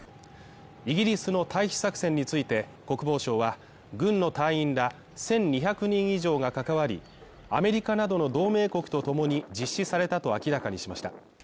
イギリスの退避作戦について国防相は、軍の隊員ら１２００人以上が関わり、アメリカなどの同盟国とともに実施されたと明らかにしました。